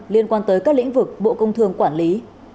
liên quan tới các lĩnh vực bộ công thương quản lý